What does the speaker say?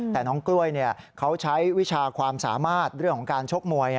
แต่น้องกล้วยเขาใช้วิชาความสามารถเรื่องของการชกมวย